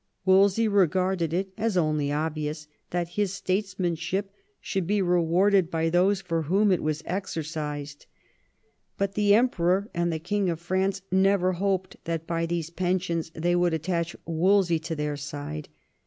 Wolsey regarded it as only obvious that his statesman ship should be rewarded by those for whom it was exercised; but the Emperor and the Bang of France never hoped that by these pensions they would attach Wolsey to their side.